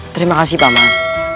terima kasih paman